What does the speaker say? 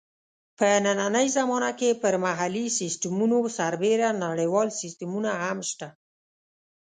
په نننۍ زمانه کې پر محلي سیسټمونو سربېره نړیوال سیسټمونه هم شته.